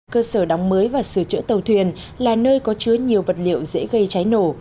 cơ sở đóng mới và sửa chữa tàu thuyền là nơi có chứa nhiều vật liệu dễ gây cháy nổ